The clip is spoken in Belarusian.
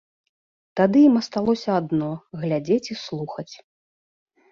Тады ім асталося адно глядзець і слухаць.